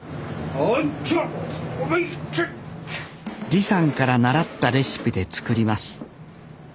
李さんから習ったレシピで作ります